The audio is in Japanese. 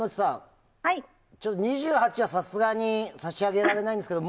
２８はさすがに差し上げられないんですけど。